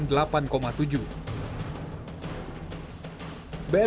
bmpkg menyebut tsunami yang terjadi di jawa barat